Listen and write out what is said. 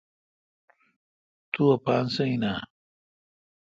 تو اپان سہ این اؘ